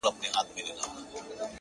پرمختګ د عادتونو په سمون ولاړ دی,